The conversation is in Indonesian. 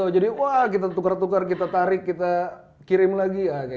jadi kita tukar tukar kita tarik kita kirim lagi